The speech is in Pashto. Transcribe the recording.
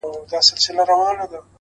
o گرانه شاعره له مودو راهسي؛